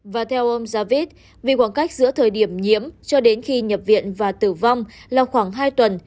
và theo ông javid vì khoảng cách giữa thời điểm nhiễm cho đến khi nhập viện và tử vong là khoảng hai tuần